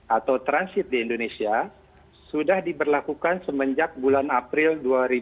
atau transit di indonesia sudah diberlakukan semenjak bulan april dua ribu dua puluh